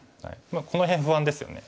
この辺不安ですよね。